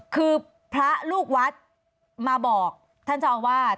คือพระลูกวัดมาบอกท่านเจ้าอาวาส